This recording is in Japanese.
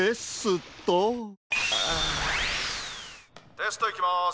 「テストいきます」。